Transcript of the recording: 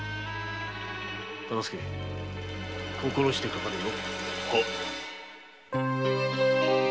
大岡心してかかれよ。